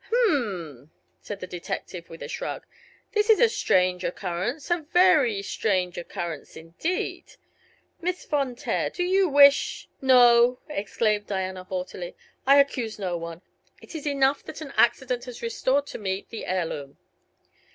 "H m m!" said the detective, with a shrug; "this is a strange occurrence a very strange occurrence, indeed. Miss Von Taer, do you wish " "No!" exclaimed Diana, haughtily. "I accuse no one. It is enough that an accident has restored to me the heirloom."